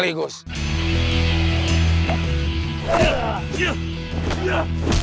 aku mau ke sana